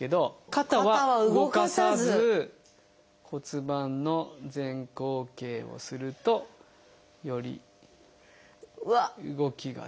肩は動かさず骨盤の前後傾をするとより動きが出ます。